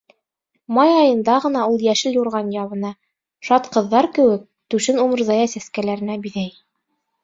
Май айында ғына ул йәшел юрған ябына, шат ҡыҙҙар кеүек, түшен умырзая сәскәләренә биҙәй.